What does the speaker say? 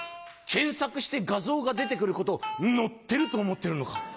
検索して画像が出てくることを「載ってる」と思ってるのか？